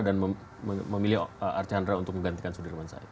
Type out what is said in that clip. dan memilih arcandra untuk menggantikan sudirman said